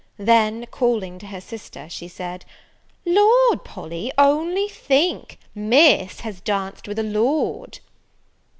Then, calling to her sister, she said, "Lord, Polly, only think! Miss has danced with a Lord!"